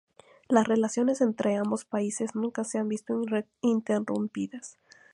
Las relaciones entre ambos países nunca se han visto interrumpidas.